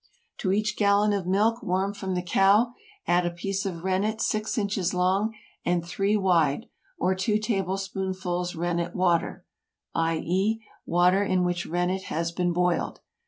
To each gallon of milk warm from the cow, add a piece of rennet six inches long and three wide, or two tablespoonfuls rennet water—i. e., water in which rennet has been boiled.